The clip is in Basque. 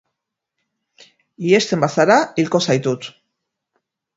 Ihesten bazara, hilko zaitut.